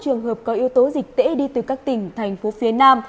ba mươi một trường hợp có yếu tố dịch tễ đi từ các tỉnh thành phố phía nam